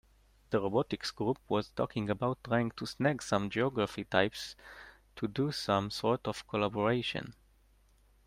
The robotics group was talking about trying to snag some geography types to do some sort of collaboration.